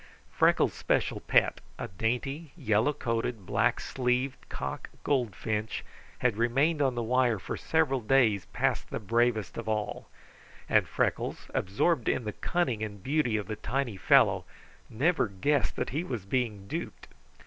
Freckles' special pet, a dainty, yellow coated, black sleeved, cock goldfinch, had remained on the wire for several days past the bravest of all; and Freckles, absorbed with the cunning and beauty of the tiny fellow, never guessed that he was being duped.